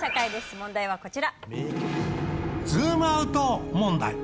問題はこちら。